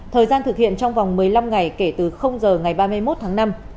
thời gian thực hiện trong vòng một mươi năm ngày kể từ giờ ngày ba mươi một tháng năm